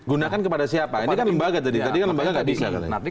gunakan kepada siapa ini kan lembaga tadi tadi kan lembaga nggak bisa